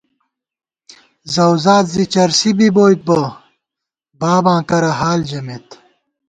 زؤزاد زی چرسی بِبوئیت بہ باباں کرہ حال ژَمېت